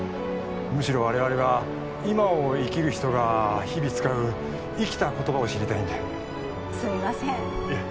むしろ我々は今を生きる人が日々使う生きた言葉を知りたいんですみませんいえ